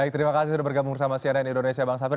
terima kasih sudah bergabung bersama sianen indonesia bang safir